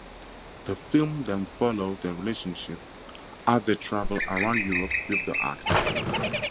The film then follows their relationship as they travel around Europe with the act.